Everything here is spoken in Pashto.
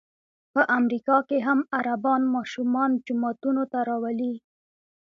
په امریکا کې هم عربان ماشومان جوماتونو ته راولي.